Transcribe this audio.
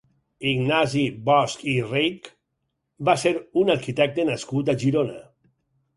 Ignasi Bosch i Reitg va ser un arquitecte nascut a Girona.